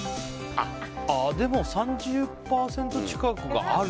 でも３０％近くがある。